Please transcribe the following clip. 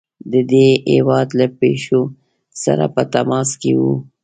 د دې هیواد له پیښو سره په تماس کې وو.